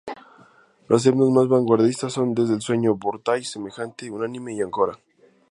Los himnos más vanguardistas son "Desde el Sueño", "Vórtice", "Semejante", "Unánime" y "Áncora".